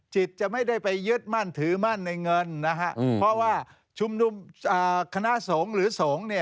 จะไม่ได้ไปยึดมั่นถือมั่นในเงินนะฮะเพราะว่าชุมนุมคณะสงฆ์หรือสงฆ์